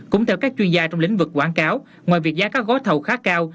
cũng theo các chuyên gia trong lĩnh vực quảng cáo ngoài việc giá các gói thầu khá cao